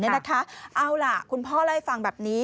เอาล่ะคุณพ่อเล่าให้ฟังแบบนี้